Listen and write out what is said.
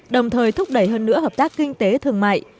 đồng thời thúc đẩy hơn nữa hợp tác kinh tế thương mại